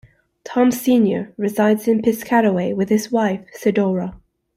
Tom Senior resides in Piscataway with his wife, Sedora.